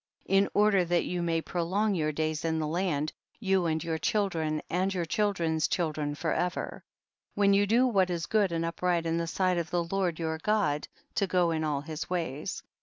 In order that you may pro long your days in the land, you and your children and your children's children for ever, when you do what is good and upright in the sight of the Lord your God, to go in all his ways.